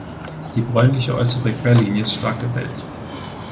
Die bräunliche äußere Querlinie ist stark gewellt.